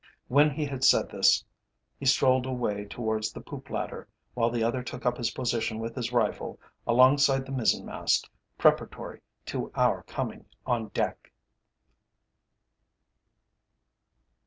_' When he had said this he strolled away towards the poop ladder, while the other took up his position, with his rifle, alongside the mizzen mast, preparatory to our coming on deck."